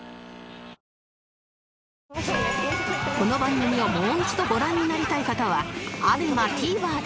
この番組をもう一度ご覧になりたい方は ＡＢＥＭＡＴＶｅｒ で